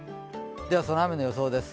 ではその雨の予想です。